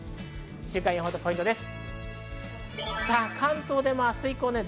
週間予報とポイントです。